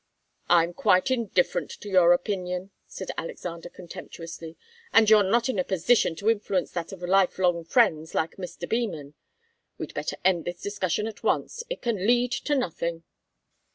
"I'm quite indifferent to your opinion," said Alexander, contemptuously. "And you're not in a position to influence that of lifelong friends like Mr. Beman. We'd better end this discussion at once. It can lead to nothing."